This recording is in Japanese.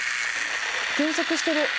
減速してる。